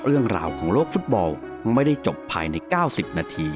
สวัสดีครับ